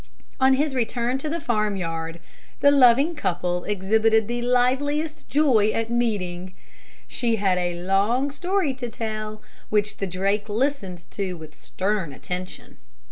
On his return to the farmyard, the loving couple exhibited the liveliest joy at meeting. She had a long story to tell, which the drake listened to with stern attention.